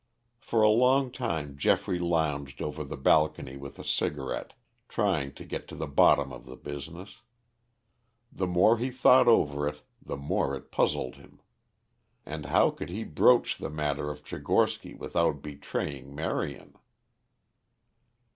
For a long time Geoffrey lounged over the balcony with a cigarette, trying to get to the bottom of the business. The more he thought over it, the more it puzzled him. And how could he broach the matter of Tchigorsky without betraying Marion?